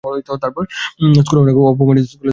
স্কুলে অনেক অপমানিত হয়েছি আমি!